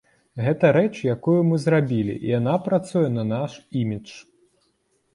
Гэта рэч, якую мы зрабілі, і яна працуе на наш імідж.